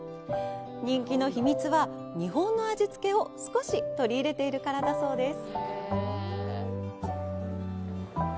人気の秘密は、日本の味つけを少し取り入れているからだそうです。